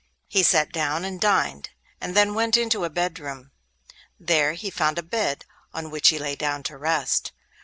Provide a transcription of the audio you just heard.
He sat down and dined, and then went into a bedroom. There he found a bed, on which he lay down to rest.